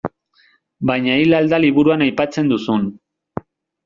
Baina hil al da liburuan aipatzen duzun.